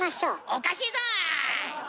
おかしいぞ！